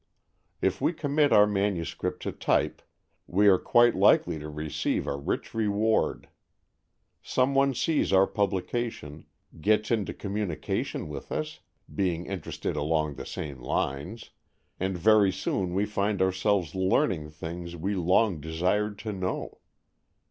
If we commit our manuscript to type, we are quite likely to receive a rich reward. Some one sees our production, gets into communication with us, being interested along the same lines, and very soon we find ourselves learning things we long desired to know!